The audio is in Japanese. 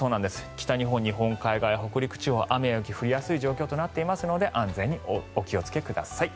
北日本日本海側や北陸地方雨や雪が降りやすい状況となっていますので安全にお気をつけください。